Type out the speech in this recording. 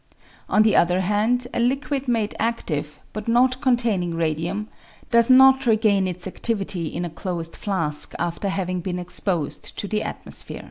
On the other hand a liquid made adtive, but not containing radium, does not regain its adtivity in a closed flask after having been ex posed to the atmosphere.